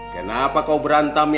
kenapa kau berantam ya